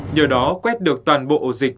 nhờ đó quét được toàn bộ dịch